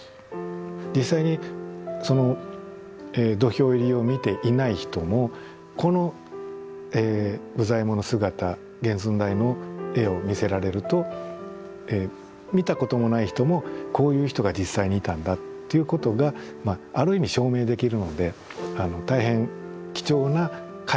実際にその土俵入りを見ていない人もこの武左衛門の姿原寸大の絵を見せられると見たこともない人もこういう人が実際にいたんだっていうことがある意味証明できるので大変貴重な絵画になるわけですよね。